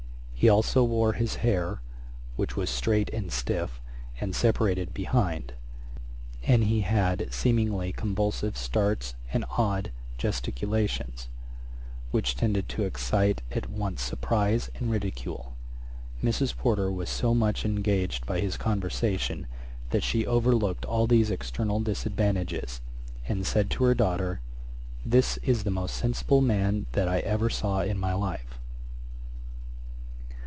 He also wore his hair, which was straight and stiff, and separated behind: and he often had, seemingly, convulsive starts and odd gesticulations, which tended to excite at once surprize and ridicule. Mrs. Porter was so much engaged by his conversation that she overlooked all these external disadvantages, and said to her daughter, 'this is the most sensible man that I ever saw in my life.'